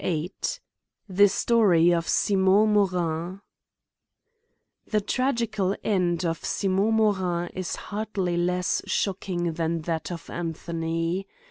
VIIL The Storif of Simon Monii, THE tragical end of Simon Morin is hardly less shocking than that of Anthony.